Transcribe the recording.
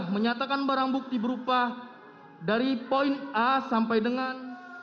tiga menyatakan barang bukti berupa dari poin a sampai dengan